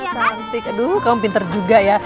cantik aduh kamu pinter juga ya